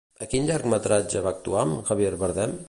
A quin llargmetratge va actuar amb Javier Bardem?